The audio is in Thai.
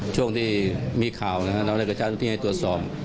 ช่วงที่มีข่าวเราได้กระจาดทุกที่ให้ตรวจสอบ